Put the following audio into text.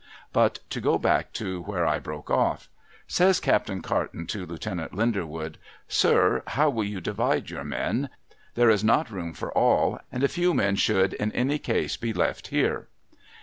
But, to go back to where I broke off. Says Captain Carton to Lieutenant Linderwood, ' Sir, how will you divide your men ? There is not room for all ; and a few men should, in any case, be left here.'